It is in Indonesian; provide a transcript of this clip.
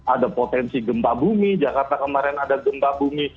ada potensi gempa bumi jakarta kemarin ada gempa bumi